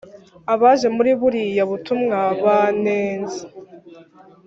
Abaje muri buriya butumwa banenze